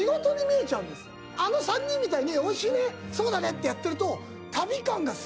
あの３人みたいに「おいしいね。そうだね」ってやってると。